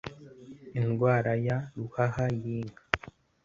indwara ya ruhaha y inka